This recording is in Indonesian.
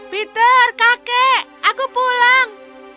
peter kakek aku pulang